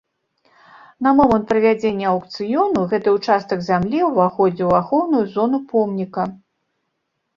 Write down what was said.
На момант правядзення аўкцыёну гэты ўчастак зямлі ўваходзіў у ахоўную зону помніка.